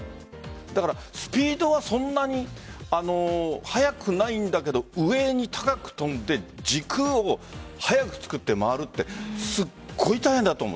だから、スピードはそんなに速くないんだけど上に高く跳んで軸を速く作って、回るってすごい大変だと思う。